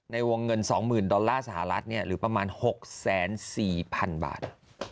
ในวงเงิน๒๐๐๐ดอลลาร์สหรัฐหรือประมาณ๖๔๐๐๐บาท